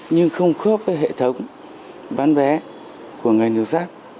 nhưng không khớp với hệ thống bán vé của ngành nội sát